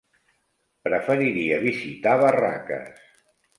Preferiria visitar Barraques.